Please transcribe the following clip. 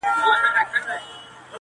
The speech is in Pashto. خوب ته راتللې او پر زړه مي اورېدلې اشنا،